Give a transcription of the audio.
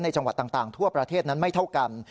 จังหวัดต่างทั่วประเทศนั้นไม่เท่ากัน